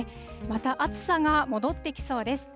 また、暑さが戻ってきそうです。